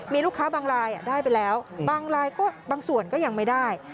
มีลูกค้าบางรายได้ไปแล้วบางรายก็บางส่วนก็ยังไม่ได้